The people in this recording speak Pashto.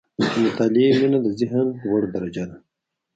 • د مطالعې مینه، د ذهن لوړه درجه ده.